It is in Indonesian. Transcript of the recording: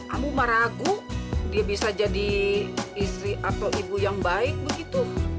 aku ragu dia bisa jadi istri atau ibu yang baik begitu